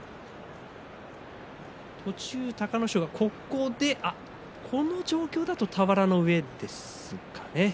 途中、隆の勝がこの状況だと俵の上ですかね